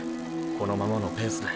このままのペースで。